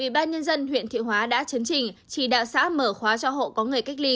ủy ban nhân dân huyện thiệu hóa đã chấn trình chỉ đạo xã mở khóa cho hộ có người cách ly